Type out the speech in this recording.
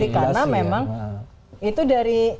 karena memang itu dari